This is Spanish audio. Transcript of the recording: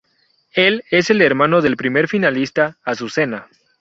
Él es el hermano del primer finalista, Azucena.